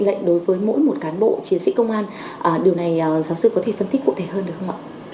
lệnh đối với mỗi một cán bộ chiến sĩ công an điều này giáo sư có thể phân tích cụ thể hơn được không ạ